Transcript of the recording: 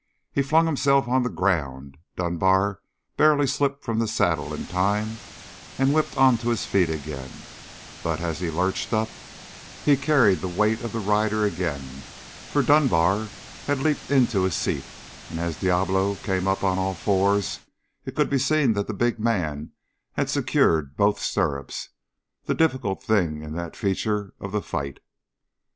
He flung himself on the ground, Dunbar barely slipped from the saddle in time, and whipped onto his feet again, but as he lurched up, he carried the weight of the rider again, for Dunbar had leaped into his seat, and as Diablo came up on all fours, it could be seen that the big man had secured both stirrups the difficult thing in that feature of the fight.